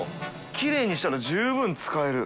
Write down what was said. きれいにしたら十分使える。